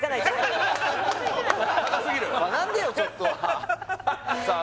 学んでよちょっとはさあ